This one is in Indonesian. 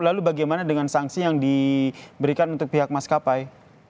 lalu bagaimana dengan sanksi yang diberikan untuk pihak maskapai